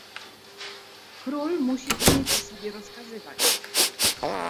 "Król musi umieć sobie rozkazywać..."